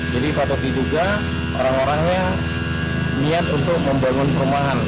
jadi patut diduga orang orangnya niat untuk membangun perumahan